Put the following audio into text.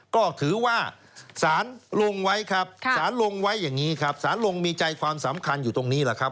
ก็ถือว่าสารลงไว้ครับสารลงไว้อย่างนี้ครับสารลงมีใจความสำคัญอยู่ตรงนี้แหละครับ